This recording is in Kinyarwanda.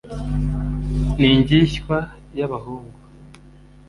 ni njyishywa ya bahungu